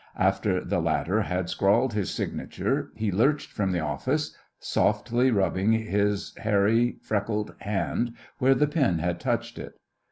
After the latter had scrawled his signature he lurched from the office, softly rubbing his hairy freckled hand where the pen had touched it.